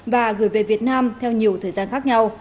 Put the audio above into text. và gửi về việt nam theo nhiều thời gian khác nhau